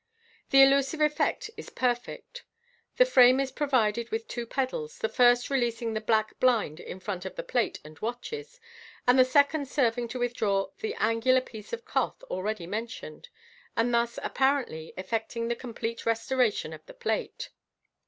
The illusive effect is perfect. The frame is provided with two pedals, the first releasing the black blind in front of the plate and watches, and the second serving to withdraw the angular pece of cloth already mentioned, and thus (apparently) effecting the complete restoration of the plate.